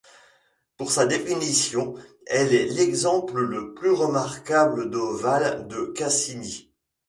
Pour sa définition, elle est l'exemple le plus remarquable d'ovale de Cassini.